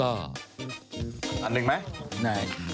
อันหนึ่งมั้ย